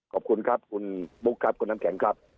ขอบคุณครับคุณบุ๊คครับคุณน้ำแข็งครับ